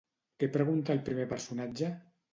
Què pregunta el primer personatge?